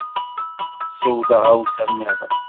Sew taɣawsa niḍen.